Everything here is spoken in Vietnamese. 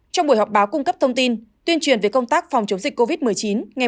trong buổi họp báo cung cấp thông tin tuyên truyền về công tác phòng chống dịch covid một mươi chín ngày một chín